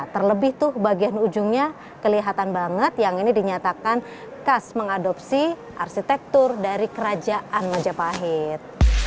terlebih tuh bagian ujungnya kelihatan banget yang ini dinyatakan khas mengadopsi arsitektur dari kerajaan majapahit